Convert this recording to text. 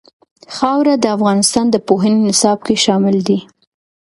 خاوره د افغانستان د پوهنې نصاب کې شامل دي.